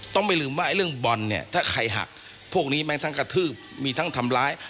ต้องไม่ลืมว่าเรื่องบอลเนี่ยถ้าใครหักพวกนี้แม้ทั้งกระทืบมีทั้งทำร้าย